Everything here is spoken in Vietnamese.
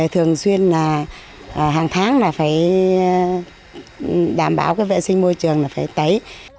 thường xuyên là hàng tháng là phải đảm bảo vệ sinh môi trường là phải tấy